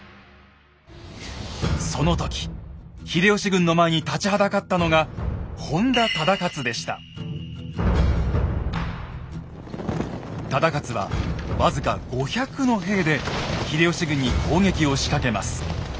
その時秀吉軍の前に立ちはだかったのが忠勝は僅か５００の兵で秀吉軍に攻撃を仕掛けます。